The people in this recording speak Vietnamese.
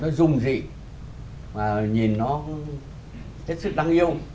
nó dung dị mà nhìn nó rất sự đáng yêu